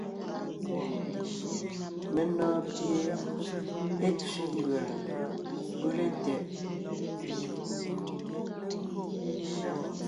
Menɔ̀ɔn pie é tsẅé mbʉ̀a pʉ́le tɛʼ.